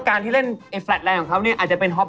และนี่คือโชว์ของหมายเลข๒นะครับ